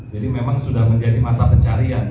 jadi memang sudah menjadi mata pencarian